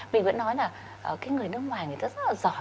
mình vẫn nói là người nước ngoài người ta rất là giỏi